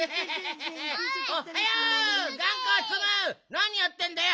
なにやってんだよ。